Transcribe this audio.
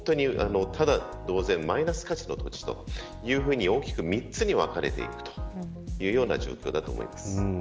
本当にただ同然マイナス価値というふうに大きく３つに分かれていくという状況だと思います。